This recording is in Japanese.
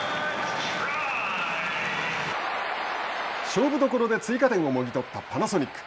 勝負どころで追加点をもぎとったパナソニック。